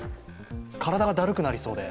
体がだるくなりそうで。